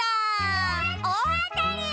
おおあたり！